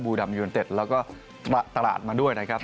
บูรดำอยู่อเต็ดแล้วก็ปะตลาดมาด้วยนะครับ